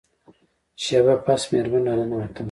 شیبه پس میرمن را ننوتله.